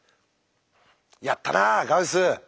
やったなあガウス！